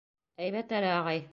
— Әйбәт әле, ағай.